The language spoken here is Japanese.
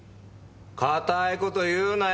堅い事言うなよ！